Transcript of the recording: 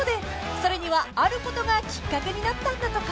［それにはあることがきっかけになったんだとか］